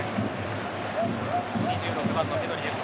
２６番のペドリです。